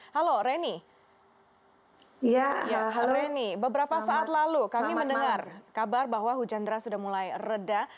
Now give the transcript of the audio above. halo reni beberapa saat lalu kami mendengar kabar bahwa hujan deras sudah mulai reda